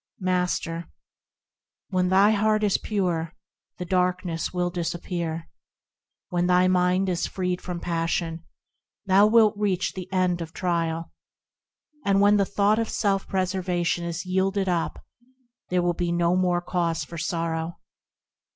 Master. When thy heart is pure, the darkness will disappear ; When thy mind is freed from passion, thou wilt reach the end of trial, And when the thought of self preservation is yielded up, there will be no more cause for sorrow.